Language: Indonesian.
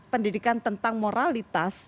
pendidikan tentang moralitas